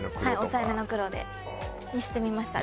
抑えめの黒で。にしてみました。